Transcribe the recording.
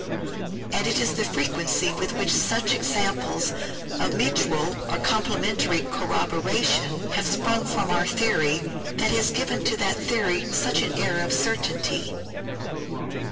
And it is the frequency with which such examples of mutual or complementary corroboration have sprung from our theory, that has given to that theory such an air of certainty.